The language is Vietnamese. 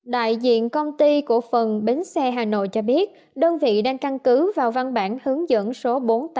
đại diện công ty của phần bến xe hà nội cho biết đơn vị đang căn cứ vào văn bản hướng dẫn số bốn nghìn tám trăm một mươi bảy